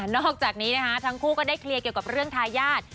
อกจากนี้นะคะทั้งคู่ก็ได้เคลียร์เกี่ยวกับเรื่องทายาท